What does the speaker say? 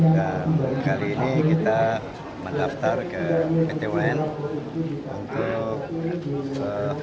dan kali ini kita mendaftar ke ptun untuk